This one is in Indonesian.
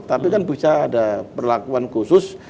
tapi kan bisa ada perlakuan khusus